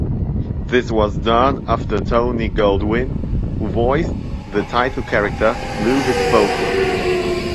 This was done after Tony Goldwyn, who voiced the title character, blew his vocals.